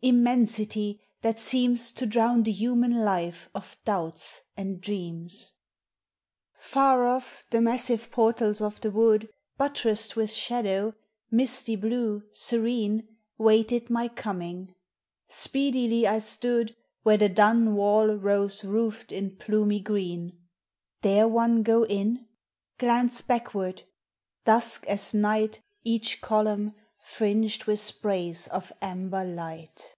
Immensity, thai seems ro drown the human life of doubts and dreams. Far off the massive portals of the wood. Buttressed with shadow, misty blue, serene, Waited my coming. Speedily I stood Where the dun wall rose roofed in plumy green. Dare one go in?— Glance backward! Dusk as night Each column, fringed with sprays of amber light.